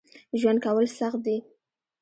ژوند کول سخت دي